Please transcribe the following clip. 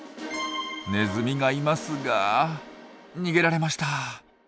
ネズミがいますが逃げられました。